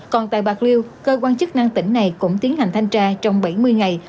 còn tại bạc liêu cơ quan chức năng tỉnh này cũng tiến hành thanh tra trong bảy mươi ngày